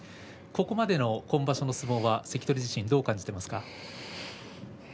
ここまでの今場所の相撲関取自身はどう感じていますか。